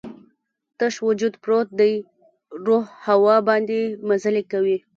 تش وجود پروت دی، روح هوا باندې مزلې کوي